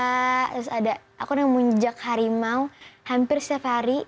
langka terus ada aku nemuin jak harimau hampir setiap hari